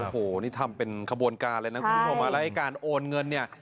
โอ้โหนี่ทำเป็นขบวนการเลยนะคุณผู้ชมแล้วไอ้การโอนเงินเนี่ย